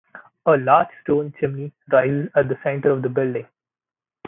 A large stone chimney rises at the center of the building.